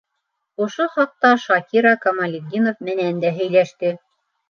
Ошо хаҡта Шакира Камалетдинов менән дә һөйләште.